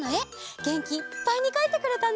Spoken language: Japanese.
げんきいっぱいにかいてくれたね。